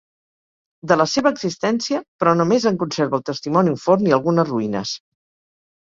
De la seva existència, però només en conserva el testimoni un forn i algunes ruïnes.